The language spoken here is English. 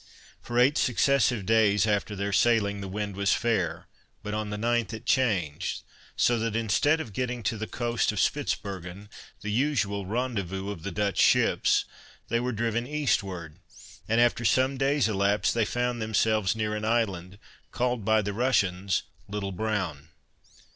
For eight successive days after their sailing the wind was fair, but on the ninth it changed; so that instead of getting to the coast of Spitzbergen, the usual rendezvous of the Dutch ships, they were driven eastward, and after some days elapsed they found themselves near an island, called by the Russians Little Broun.